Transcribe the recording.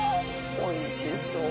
おいしそう！